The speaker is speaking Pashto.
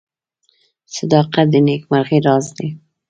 • صداقت د نیکمرغۍ راز دی.